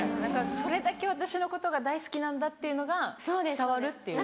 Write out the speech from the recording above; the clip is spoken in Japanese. それだけ私のことが大好きなんだっていうのが伝わるっていう。